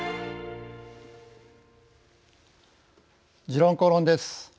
「時論公論」です。